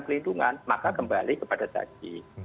pelindungan maka kembali kepada tadi